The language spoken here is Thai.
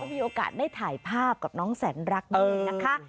แล้วก็มีโอกาสได้ถ่ายภาพกับน้องแสนรักเองนะคะ